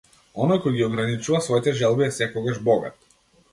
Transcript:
Оној кој ги ограничува своите желби е секогаш богат.